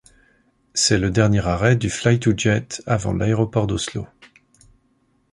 C'est le dernier arrêt du Flytoget avant l'aéroport d'Oslo.